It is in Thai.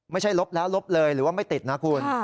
ลบแล้วลบเลยหรือว่าไม่ติดนะคุณ